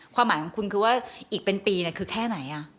ความหมายของคุณคือว่าอีกเป็นปีคือแค่ไหน